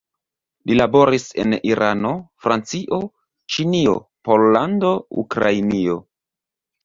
Li laboris en Irano, Francio, Ĉinio, Pollando, Ukrainio.